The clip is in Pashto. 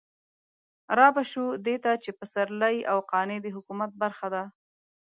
رابه شو دې ته چې پسرلي او قانع د حکومت برخه ده.